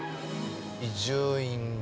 伊集院も。